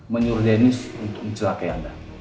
menyuruh denis untuk mencelakai anda